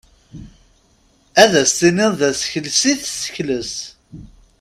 Ad as-tiniḍ d asekles i tessekles.